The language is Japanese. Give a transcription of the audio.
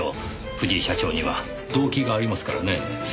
藤井社長には動機がありますからねえ。